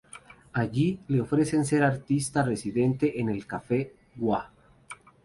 Allí le ofrecieron ser artista residente en el Cafe Wha?